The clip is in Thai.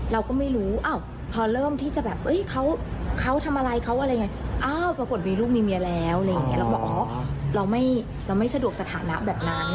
เราก็ไม่รู้พอเริ่มที่จะแบบเขาทำอะไรเขาอะไรไงอ้าวปรากฏมีลูกมีเมียแล้วอะไรอย่างนี้เราก็บอกอ๋อเราไม่สะดวกสถานะแบบนั้น